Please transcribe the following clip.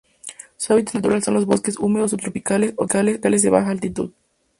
Su hábitat natural son los bosques húmedos subtropicales o tropicales de baja altitud.